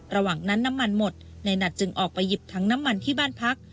ระหว่างนั้นน้ำมันหมดในหัดจึงออกไปหยิบถังน้ำมันที่บ้านพัก